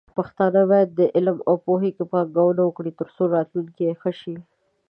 پښتانه بايد په علم او پوهه کې پانګونه وکړي، ترڅو راتلونکې يې ښه شي.